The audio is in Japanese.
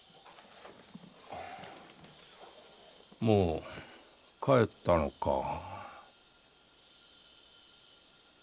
もう帰ったのか。